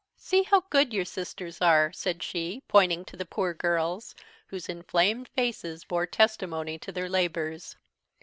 "See how good your sisters are," said she, pointing to the poor girls, whose inflamed faces bore testimony to their labours.